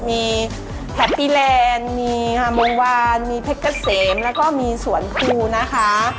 มีแฮปปี้แลนด์มีกทำวาลมีแพคเกษมและก็มีสวนธูนะคะ